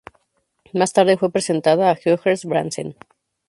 Más tarde fue presentada a Georges Brassens.